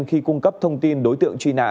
khi cung cấp thông tin đối tượng truy nã